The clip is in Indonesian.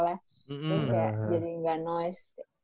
terus kayak jadi gak noise